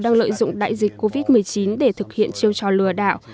đang lợi dụng đại dịch covid một mươi chín để thực hiện chiêu trò lừa đảo